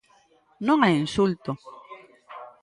Non hai insulto.